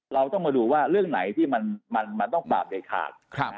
เราต้องมาดูว่าเรื่องไหนที่มันต้องปราบเด็ดขาด